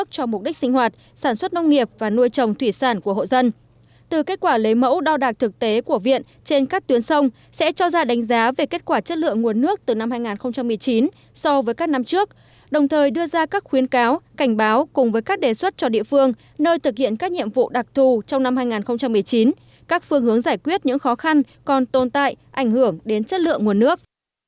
công nghiệp và nuôi trồng thủy sản của hộ dân từ kết quả lấy mẫu đo đạt thực tế của viện trên các tuyến sông sẽ cho ra đánh giá về kết quả chất lượng nguồn nước từ năm hai nghìn một mươi chín so với các năm trước đồng thời đưa ra các khuyến cáo cảnh báo cùng với các đề xuất cho địa phương nơi thực hiện các nhiệm vụ đặc thù trong năm hai nghìn một mươi chín các phương hướng giải quyết những khó khăn còn tồn tại ảnh hưởng đến chất lượng nguồn nước